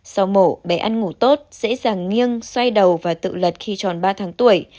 sau mổ bé ăn ngủ tốt dễ dàng nghiêng xoay đầu và tự lật khi tròn ba tháng tuổi